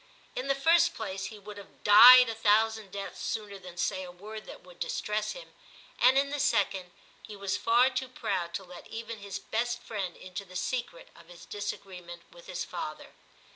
In the first place, he would have died a thousand deaths sooner than say a word that could distress him, and in the second, he was far too proud to let even his best friend into the secret of his disagreement with his father.